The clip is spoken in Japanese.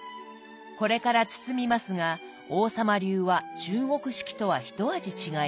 これから包みますが王様流は中国式とは一味違います。